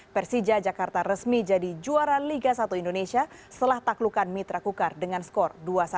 persija jakarta resmi jadi juara liga satu indonesia setelah taklukan mitra kukar dengan skor dua satu